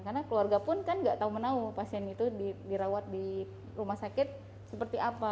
karena keluarga pun kan gak tahu menahu pasien itu dirawat di rumah sakit seperti apa